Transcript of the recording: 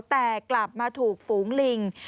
แต่กลับมาถูกฝูงลิง